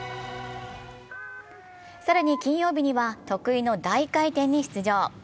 更に金曜日には得意の大回転に出場。